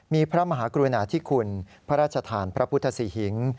มีพระมหากรุณาธิคุณพระราชทานพระพุทธศรีหิง